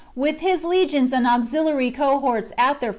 With his legions and auxiliary cohorts at their full lxxxvii.